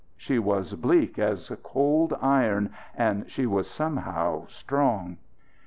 She was bleak as cold iron and she was somehow strong.